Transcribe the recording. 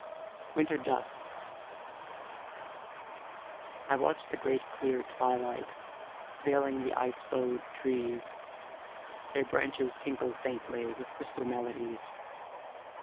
Winter Dusk I watch the great clear twilight Veiling the ice bowed trees; Their branches tinkle faintly With crystal melodies.